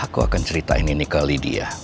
aku akan ceritain ini ke lydia